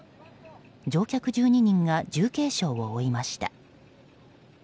乗客１２人が重軽傷を負いました。